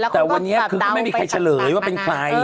แต่วันนี้คือก็ไม่มีใครเฉลยว่าเป็นใคร